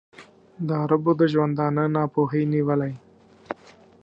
د عربو د ژوندانه ناپوهۍ نیولی.